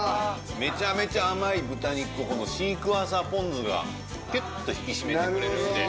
めちゃめちゃ甘い豚肉このシークヮーサーポン酢がキュッと引き締めてくれるんで。